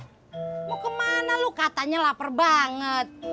mau kemana lu katanya lapar banget